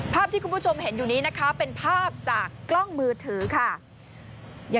ภาพที่คุณผู้ชมเห็นอยู่นี้นะคะเป็นภาพจากกล้องมือถือค่ะ